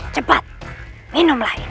cepat minumlah ini